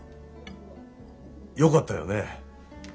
よかったよね。